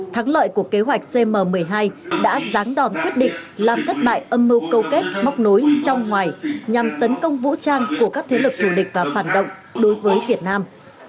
thắng lợi của kế hoạch cm một mươi hai đã ráng đòn quyết định làm thất bại âm mưu câu kết móc nối trong ngoài nhằm tấn công vũ trang của các thế lực thủ địch và phản động đối với việt nam